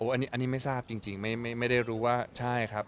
อันนี้ไม่ทราบจริงไม่ได้รู้ว่าใช่ครับ